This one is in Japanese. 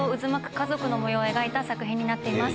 家族の模様を描いた作品になっています。